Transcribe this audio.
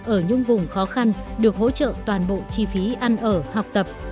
ở những vùng khó khăn được hỗ trợ toàn bộ chi phí ăn ở học tập